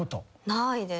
ないです。